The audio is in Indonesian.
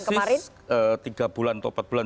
ini adalah perhubungan